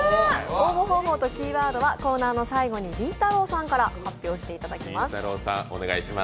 応募方法とキーワードはコーナーの最後にりんたろーさんから発表していただきます。